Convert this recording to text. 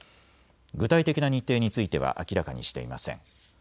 具体的な日程については明らかにしていません。